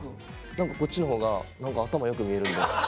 何かこっちのほうが何か頭よく見えるんで」。